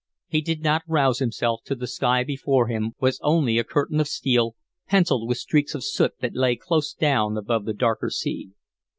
He did not rouse himself till the sky before him was only a curtain of steel, pencilled with streaks of soot that lay close down above the darker sea.